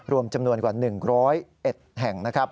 รวมจำนวนกว่า๑๐๑แห่ง